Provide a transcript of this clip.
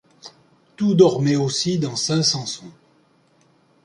Tout dormait aussi dans Saint-Sampson.